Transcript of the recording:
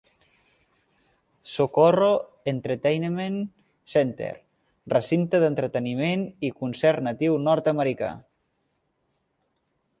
Socorro Entertainment Center - Recinte d'entreteniment i concert Natiu Nord-americà.